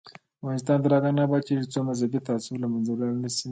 افغانستان تر هغو نه ابادیږي، ترڅو مذهبي تعصب له منځه لاړ نشي.